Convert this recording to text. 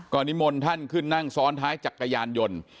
นิมนต์ท่านขึ้นนั่งซ้อนท้ายจักรยานยนต์